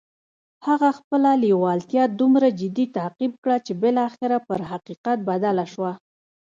هغه خپله لېوالتیا دومره جدي تعقيب کړه چې بالاخره پر حقيقت بدله شوه.